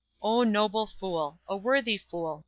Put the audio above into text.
O noble fool! A worthy fool!